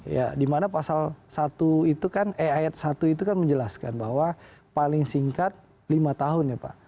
ya dimana pasal satu itu kan e ayat satu itu kan menjelaskan bahwa paling singkat lima tahun ya pak